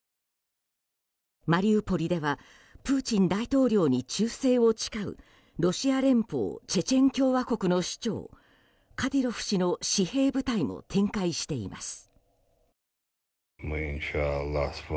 マリウポリではプーチン大統領に忠誠を誓うロシア連邦チェチェン共和国の首長カディロフ氏の私兵部隊も展開しています。